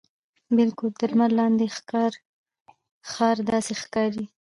بالکل تر لمر لاندې ښار داسې ښکاري.